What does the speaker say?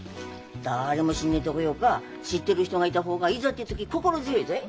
誰も知んねえとこよか知ってる人がいた方がいざっていう時心強いぞい。